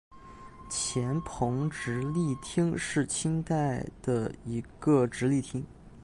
黔彭直隶厅是清代的一个直隶厅。